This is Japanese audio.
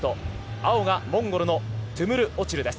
青がモンゴルのトゥムルオチルです。